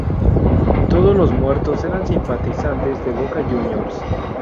Todos los muertos eran simpatizantes de Boca Juniors.